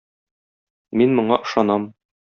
Мин моңа ышанам.